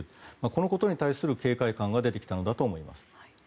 このことに対する警戒感が出てきたんだと思います。